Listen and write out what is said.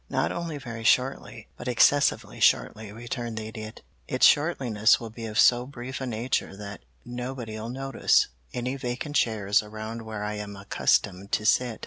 "Not only very shortly, but excessively shortly," returned the Idiot. "Its shortliness will be of so brief a nature that nobody'll notice any vacant chairs around where I am accustomed to sit.